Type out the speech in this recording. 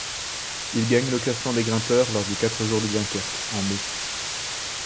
Il gagne le classement des grimpeurs lors des Quatre Jours de Dunkerque en mai.